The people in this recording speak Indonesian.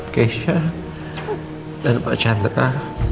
keisyah dan pacar deka